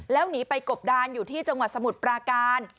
แล้วหนีไปกบดานอยู่ที่จังหวัดสมุทรปราการ